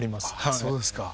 そうですか。